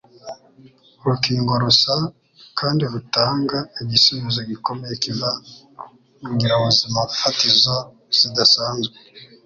Urukingo rusa kandi rutanga igisubizo gikomeye kiva mu ngirabuzimafatizo zidasanzwe